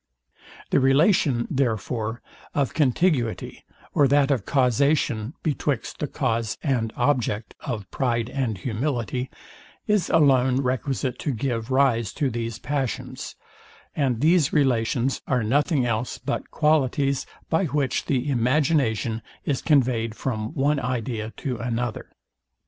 The relation, therefore, of contiguity, or that of causation, betwixt the cause and object of pride and humility, is alone requisite to give rise to these passions; and these relations are nothing else but qualities, by which the imagination is conveyed from one idea to another.